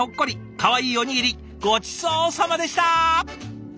かわいいおにぎりごちそうさまでした。